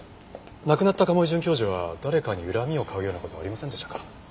亡くなった賀茂井准教授は誰かに恨みを買うような事はありませんでしたか？